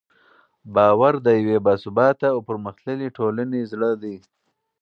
باور د یوې باثباته او پرمختللې ټولنې زړه دی.